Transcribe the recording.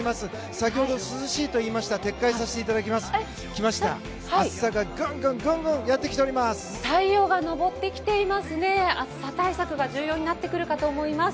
先ほど、涼しいと言いましたが撤回させていただきます。